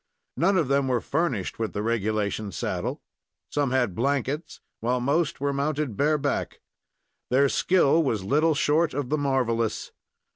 None of them were furnished with the regulation saddle; some had blankets, while the most were mounted bareback. Their skill was little short of the marvelous.